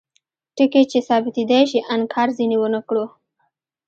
ټکي چې ثابتیدای شي انکار ځینې ونکړو.